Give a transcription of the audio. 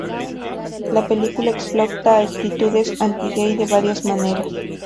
La película explora actitudes anti-gay de varias maneras.